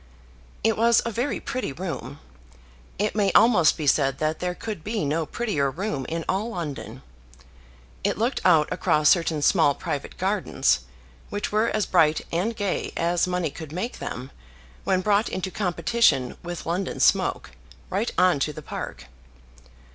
It was a very pretty room. It may almost be said that there could be no prettier room in all London. It looked out across certain small private gardens, which were as bright and gay as money could make them when brought into competition with London smoke, right on to the park.